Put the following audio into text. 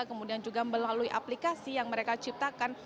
kemudian juga melalui aplikasi yang mereka ciptakan